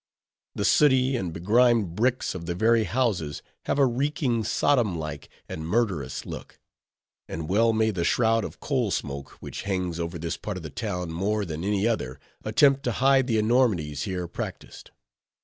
The sooty and begrimed bricks of the very houses have a reeking, Sodomlike, and murderous look; and well may the shroud of coal smoke, which hangs over this part of the town, more than any other, attempt to hide the enormities here practiced.